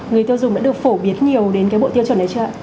người tiêu dùng đã được phổ biến nhiều đến cái bộ tiêu chuẩn này chưa ạ